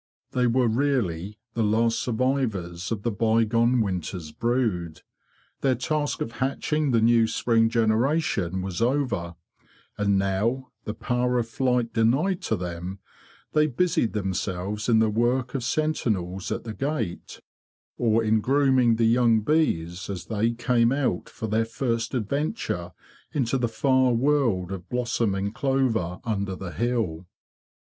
They were really the last survivors of the bygone winter's brood. Their task of hatching the new spring generation was 46 THE BEE MASTER OF WARRILOW over; and now, the power of flight denied to them, they busied themselves in the work of sentinels at the gate, or in grooming the young bees as they came out for their first adventure into the far world of blossoming clover under the hill.